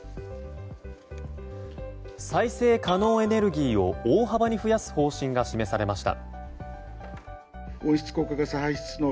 再生可能エネルギーを大幅に増やす方針が示されました。